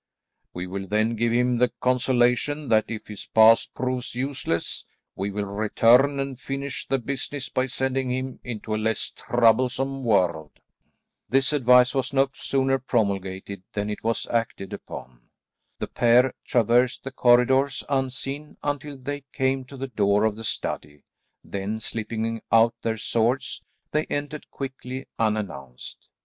We will then give him the consolation that if his pass proves useless we will return and finish the business by sending him into a less troublesome world." This advice was no sooner promulgated than it was acted upon. The pair traversed the corridors unseen until they came to the door of the study, then, slipping out their swords, they entered quickly unannounced.